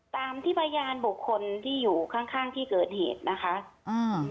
ตามที่พยานบุคคลที่อยู่ข้างข้างที่เกิดเหตุนะคะอ่า